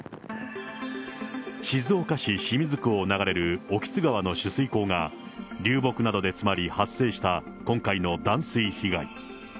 静岡市清水区を流れる興津川の取水口が流木などで詰まり発生した今回の断水被害。